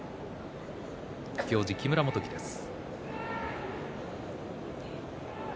行司木村元基です。